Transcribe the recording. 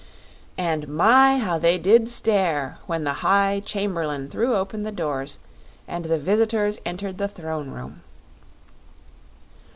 And my, how they did stare when the High Chamberlain threw open the doors and the visitors entered the Throne Room!